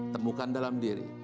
temukan dalam diri